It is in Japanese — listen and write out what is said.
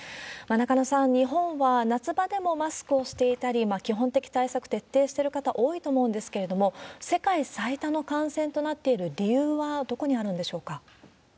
中野さん、日本は夏場でもマスクをしていたり、基本的対策、徹底してる方、多いと思うんですけど、世界最多の感染となっている理由はどこにあるんでしょうか。